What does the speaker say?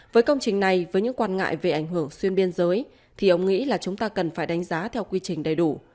với công trình này với những quan ngại về ảnh hưởng xuyên biên giới thì ông nghĩ là chúng ta cần phải đánh giá theo quy trình đầy đủ